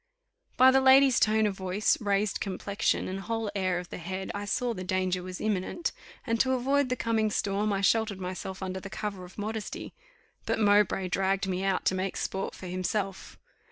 '" By the lady's tone of voice, raised complexion, and whole air of the head, I saw the danger was imminent, and to avoid the coming storm, I sheltered myself under the cover of modesty; but Mowbray dragged me out to make sport for himself.